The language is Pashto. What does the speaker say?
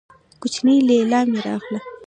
کوچۍ ليلا مې راغله.